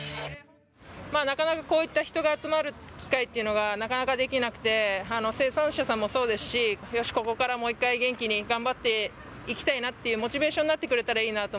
なかなかこういった人が集まる機会っていうのがなかなかできなくて、生産者さんもそうですし、よし、ここからもう一回元気に頑張っていきたいなというモチベーション